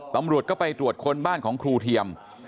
ตำรวจก็ไปตรวจค้นบ้านของครูเทียม